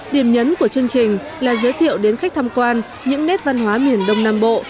điểm nhấn của chương trình là giới thiệu đến khách tham quan những nét văn hóa miền đông nam bộ